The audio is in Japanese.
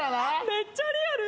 めっちゃリアル！